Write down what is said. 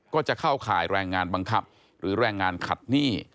ก็จะเข้าข่ายแรงงานบังคับหรือแรงงานขัดหนี้